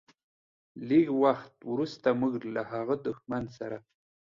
لږ وخت وروسته موږ له هغه دښمن سره.